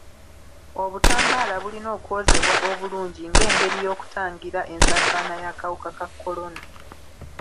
Obutambaala bulina okwozebwa obulungi ng'engeri y'okutangira ensaasaana y'akawuka ka kolona.